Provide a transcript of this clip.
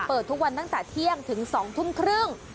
เปิดทุกวันตั้งแต่เที่ยงถึง๒ทุ่มครึ่ง